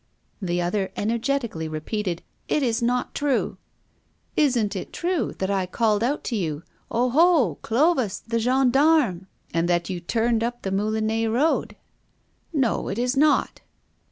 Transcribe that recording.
The other energetically repeated: "It is not true!" "Isn't it true that I called out to you: 'Oho, Clovis, the gendarmes!' and that you turned up the Moulinet road?" "No, it is not."